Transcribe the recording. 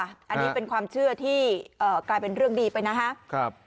อันนี้เป็นความเชื่อที่กลายเป็นเรื่องดีไปนะครับ